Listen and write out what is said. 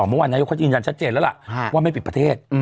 เมื่อวานนายกเขายืนยันชัดเจนแล้วล่ะว่าไม่ปิดประเทศ